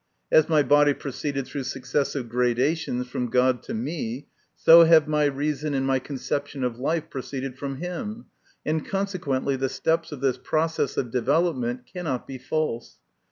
As my body proceeded through successive gradations from God to me, so have my reason and my conception of life proceeded from Him, and consequently the steps of this process of development cannot be false.